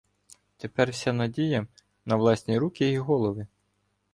Тепер вся надія — на власні руки і голови.